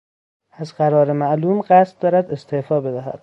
از قرار معلوم قصد دارد استعفا بدهد.